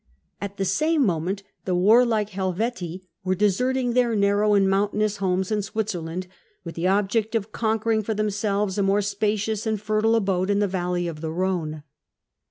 At the same moment the warlike Helvetii were deserting their narrow and mountainous home in Switzer land, with the object of conquering for themselves a more spacious and fertile abode in the valley of the Rhone.